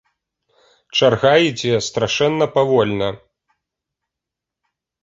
Чарга ідзе страшэнна павольна!